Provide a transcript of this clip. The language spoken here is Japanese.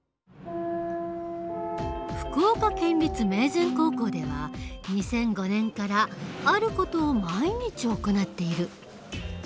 福岡県立明善高校では２００５年からある事を毎日行っている。